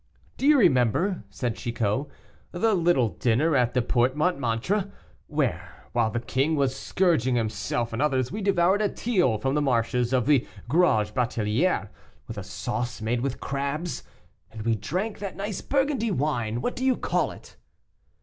"Do you remember," said Chicot, "the little dinner at the Porte Montmartre, where, while the king was scourging himself and others, we devoured a teal from the marshes of the Grauge Batelière, with a sauce made with crabs, and we drank that nice Burgundy wine; what do you call it?"